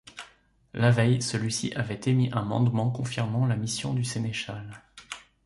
La veille, celui-ci avait émis un mandement confirmant la mission du sénéchal.